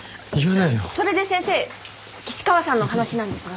それで先生岸川さんの話なんですが。